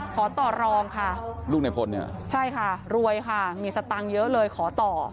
ขอต่อรองค่ะใช่ค่ะรวยค่ะมีสตังค์เยอะเลยขอต่อ